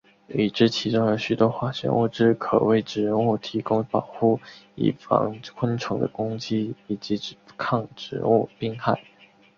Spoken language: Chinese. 已知其中有许多化学物质可为植物提供保护以防昆虫的攻击以及抗植物病害。